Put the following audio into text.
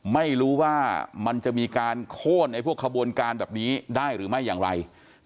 ไม่รู้ว่ามันจะมีการโค้นไอ้พวกขบวนการแบบนี้ได้หรือไม่อย่างไร